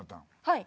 はい。